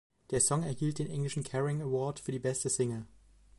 Der Song erhielt den englischen Kerrang Award für die beste Single.